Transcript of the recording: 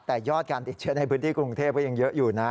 แต่ยอดการติดเชื้อในพื้นที่กรุงเทพก็ยังเยอะอยู่นะ